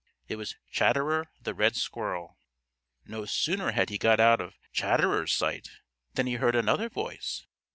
It was Chatterer the Red Squirrel. No sooner had he got out out of Chatterer's sight than he heard another voice.